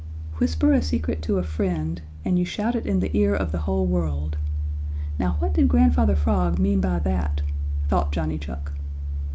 "'Whisper a secret to a friend and you shout it in the ear of the whole world.' Now what did Grandfather Frog mean by that?" thought Johnny Chuck.